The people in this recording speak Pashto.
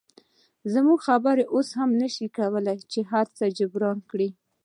زموږ خبرې اوس نشي کولی چې هرڅه جبران کړي